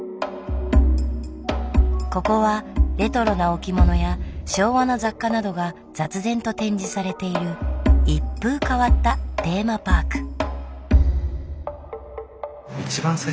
ここはレトロな置物や昭和の雑貨などが雑然と展示されている一風変わったテーマパーク。